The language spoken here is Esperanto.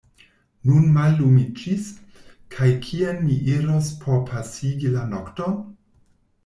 Nun mallumiĝis; kaj kien mi iros por pasigi la nokton?